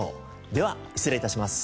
では失礼致します。